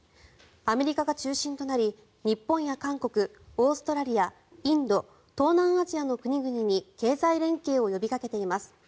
アメリカが中心となり日本や韓国、オーストラリアインド、東南アジアの国々に経済連携を呼びかけています。